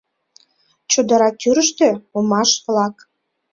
Чодыра тӱрыштӧ — омаш-влак.